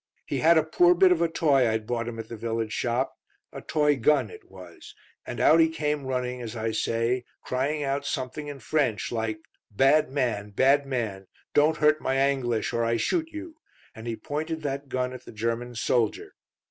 "He had a poor bit of a toy I'd bought him at the village shop; a toy gun it was. And out he came running, as I say, Crying out something in French like 'Bad man! bad man! don't hurt my Anglish or I shoot you'; and he pointed that gun at the German soldier.